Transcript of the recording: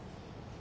あ。